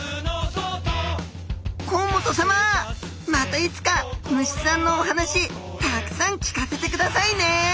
甲本さままたいつか虫さんのお話たくさん聞かせてくださいね！